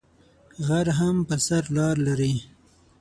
غر هم پر سر لار لری